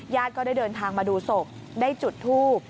ก็ได้เดินทางมาดูศพได้จุดทูบ